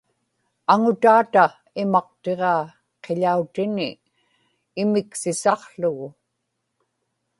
aŋutaata imaqtiġaa qiḷautini imiksisaqługu